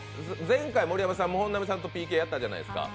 前回、盛山さんも本並さんとＰＫやったじゃないですか。